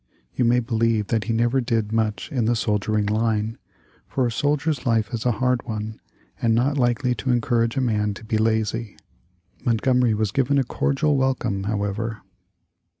You may believe that he never did much in the soldiering line, for a soldier's life is a hard one, and not likely to encourage a man to be lazy. Montgomery was given a cordial welcome, however.